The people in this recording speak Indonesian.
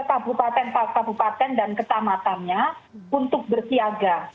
kepala bupaten paksa bupaten dan ketamatannya untuk bersiaga